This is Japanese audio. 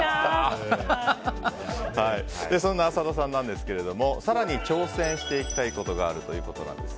そんな浅田さんなんですが更に挑戦していきたいことがあるそうです。